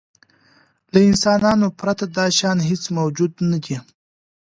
له انسانانو پرته دا شیان هېڅ موجود نهدي.